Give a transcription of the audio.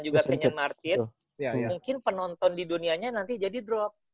juga kenya martin mungkin penonton di dunianya nanti jadi drop